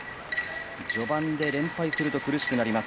序盤で連敗すると苦しくなります。